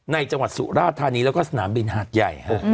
จังหวัดสุราธานีแล้วก็สนามบินหาดใหญ่